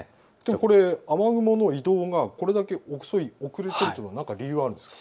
これ雨雲の移動がこれだけ遅れているのは何か理由があるんですか。